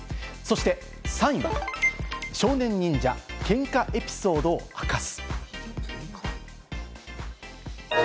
そして３位は、少年忍者、喧嘩エピソードを明かす。